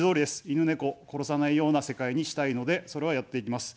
犬猫を殺さないような世界にしたいので、それは、やっていきます。